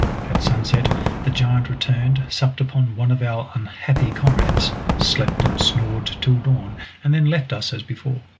At sunset the giant returned, supped upon one of our unhappy comrades, slept and snored till dawn, and then left us as before.